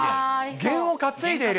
験を担いでいる。